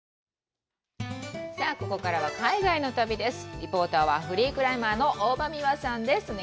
リポーターはフリークライマーの大場美和さんです。